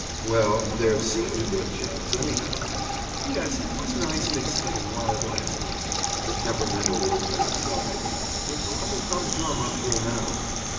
"Well, there seemed a good chance, anyhow." "Yes, it was nice and exciting while it lasted." The temperamental little thing sighed. "It's awful humdrum up here now."